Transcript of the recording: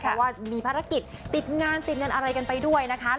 เพราะว่ามีภารกิจติดงานติดเงินอะไรกันไปด้วยนะคะ